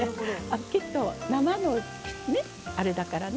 きっと生のねっあれだからね。